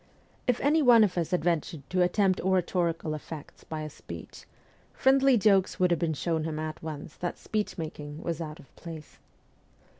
If anyone of us had ventured to attempt oratorical effects by a speech, friendly jokes would have shown him at once that speech making was out of place.